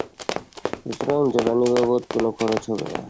সুতরাং জ্বালানি বাবদ কোনো খরচ হবে না।